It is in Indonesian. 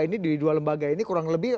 ini di dua lembaga ini kurang lebih